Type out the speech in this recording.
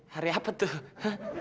hari apa tuh